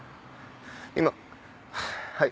今はい。